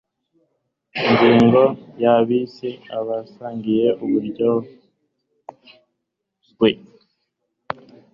ingingo ya bis abasangiye uburyozwe